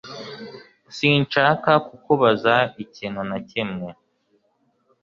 Sinshaka kukubaza ikintu na kimwe